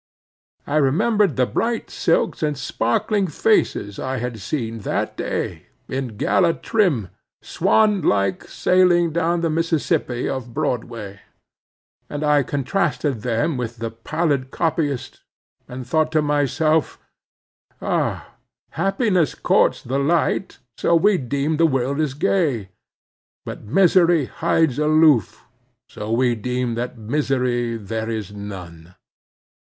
I remembered the bright silks and sparkling faces I had seen that day, in gala trim, swan like sailing down the Mississippi of Broadway; and I contrasted them with the pallid copyist, and thought to myself, Ah, happiness courts the light, so we deem the world is gay; but misery hides aloof, so we deem that misery there is none.